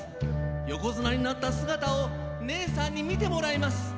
横綱になった姿を姐さんに見て貰います。